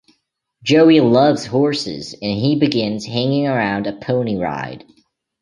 Joey loves horses, and he begins hanging around a pony ride.